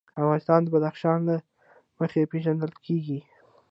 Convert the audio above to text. افغانستان د بدخشان له مخې پېژندل کېږي.